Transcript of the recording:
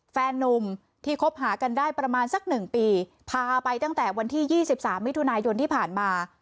แฟนนุ่มที่คบหากันได้ประมาณสักหนึ่งปีพาไปตั้งแต่วันที่๒๓มิถุนายนที่ผ่านมา